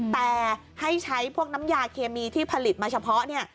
แต่ให้ใช้พวกน้ำยาเคมีที่ผลิตมาเฉพาะเนี่ย